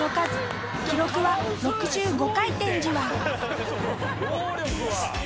記録は６５回転じわ。